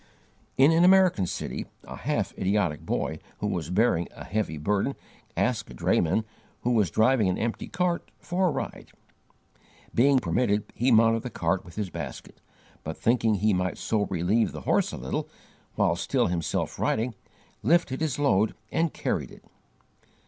In an American city, a half idiotic boy who was bearing a heavy burden asked a drayman, who was driving an empty cart, for a ride. Being permitted, he mounted the cart with his basket, but thinking he might so relieve the horse a little, while still himself riding, lifted his load and carried it.